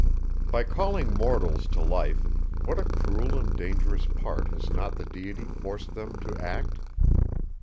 By calling mortals to life, what a cruel and dangerous part has not the Deity forced them to act?